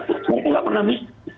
kalau nggak pernah miss